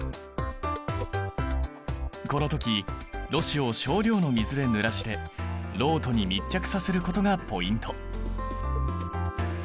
この時ろ紙を少量の水でぬらしてろうとに密着させることがポイント！